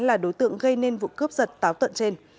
là đối tượng gây nên vụ cướp giật táo tợn trên